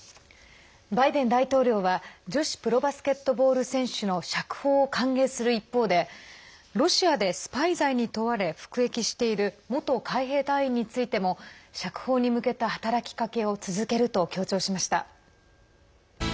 バイデン大統領は女子プロバスケットボール選手の釈放を歓迎する一方でロシアでスパイ罪に問われ服役している元海兵隊員についても釈放に向けた働きかけを続けると強調しました。